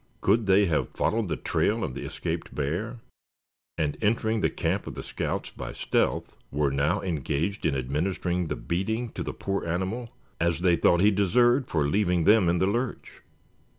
Could they have followed the trail of the escaped bear, and entering the camp of the scouts by stealth, were now engaged in administering the beating to the poor animal, as they thought he deserved for leaving them in the lurch?